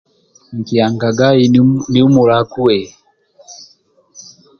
Nkiagagae ni humulakue